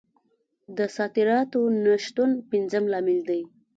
د صادراتو نه شتون پنځم لامل دی.